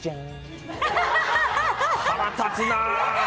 腹立つな。